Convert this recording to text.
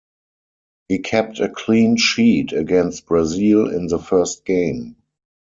He kept a clean sheet against Brazil in the first game.